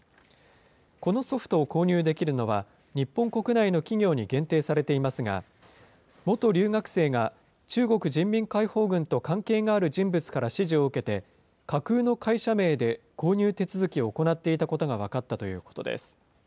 このソフトを購入できるのは、日本国内の企業に限定されていますが、元留学生が中国人民解放軍と関係がある人物から指示を受けて、架空の会社名で購入手続きを行っていたことが分かったということです。